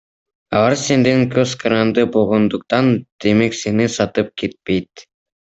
Алар сенден көз каранды болгондуктан, демек сени сатып кетпейт.